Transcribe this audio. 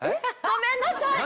ごめんなさい。